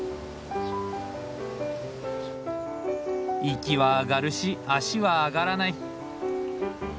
息はあがるし足はあがらない。